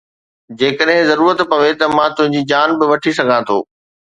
جيڪڏهن ضرورت پوي ته مان تنهنجي جان به وٺي سگهان ٿو